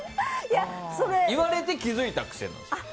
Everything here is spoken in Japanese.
言われて気づいた癖なんですよ。